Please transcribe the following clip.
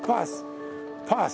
パス。